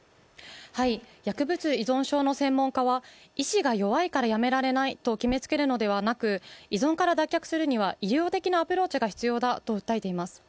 薬物依存症の専門家は、意思が弱いからやめられないと決めつけるのではなく依存から脱却するには医療的なアプローチが必要だと訴えています。